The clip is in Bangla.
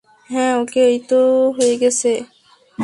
হ্যাঁ ওকে, এইতো হয়ে গেছে।